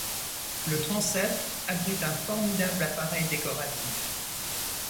Le transept abrite un formidable appareil décoratif.